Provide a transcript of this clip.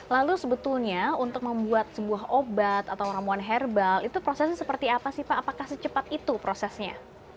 lalu sebetulnya untuk membuat sebuah obat atau ramuan herbal itu prosesnya seperti apa sih pak apakah secepat itu prosesnya